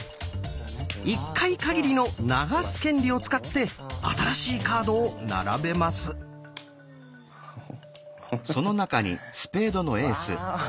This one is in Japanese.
一回限りの「流す」権利を使って新しいカードを並べます。わ！